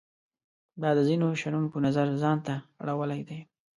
دا د ځینو شنونکو نظر ځان ته اړولای دی.